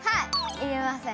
いりません。